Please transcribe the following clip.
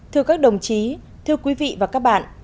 thưa các đồng chí thưa quý vị và các bạn